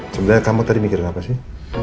sebenarnya kamu tadi mikir apa sih